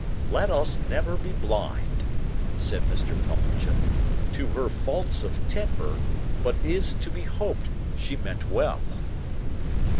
"Let us never be blind," said Mr. Pumblechook, "to her faults of temper, but it is to be hoped she meant well."